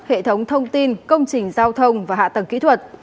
hệ thống thông tin công trình giao thông và hạ tầng kỹ thuật